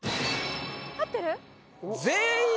あってる？